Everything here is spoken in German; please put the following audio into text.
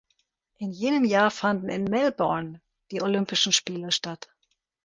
In jenem Jahr fanden in Melbourne die Olympischen Spiele statt.